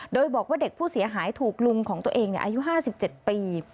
โดยบอกว่าเด็กผู้เสียหายถูกลุงของตัวเองเนี่ยอายุห้าสิบเจ็ดปี